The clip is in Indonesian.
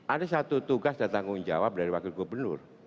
ada satu tugas dan tanggung jawab dari wakil gubernur